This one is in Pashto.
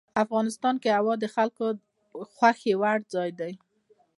افغانستان کې هوا د خلکو د خوښې وړ ځای دی.